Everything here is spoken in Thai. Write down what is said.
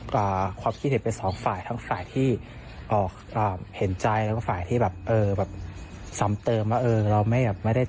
แต่เขาบอกว่าอยากให้ปรับปรุงเพื่อไม่ให้ใครมาเจอแบบนี้อีก